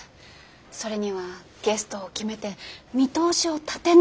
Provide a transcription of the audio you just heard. それにはゲストを決めて見通しを立てないと。